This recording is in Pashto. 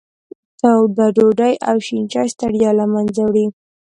توده ډوډۍ او شین چای ستړیا له منځه وړي.